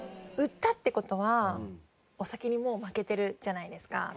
売ったって事はお酒にもう負けてるじゃないですか